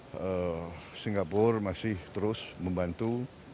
bahwa singapura masih terus membantu